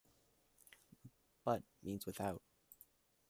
"But" means without.